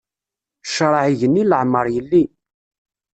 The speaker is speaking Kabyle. Ccṛaɛ igenni leɛmeṛ yelli.